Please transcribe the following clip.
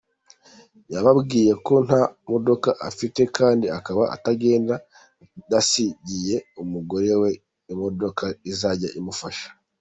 Yababwiye ko nta modoka afite kandi akaba atagenda adasigiye umugore we imodoka izajya imufasha.